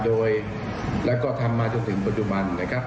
โดยแล้วก็ทำมาจนถึงปัจจุบันนะครับ